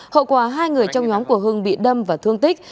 hậu quả hai người trong nhóm của hưng bị đâm và thương tích